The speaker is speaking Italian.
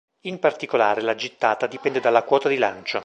In particolare, la gittata dipende dalla quota di lancio.